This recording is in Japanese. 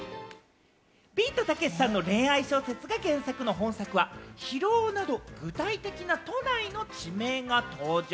ビートたけしさんの恋愛小説が原作の本作は、広尾など具体的な都内の地名が登場。